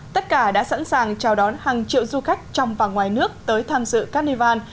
tất cả đã sẵn sàng chào đón hàng triệu du khách trong và ngoài nước tới tham dự carnival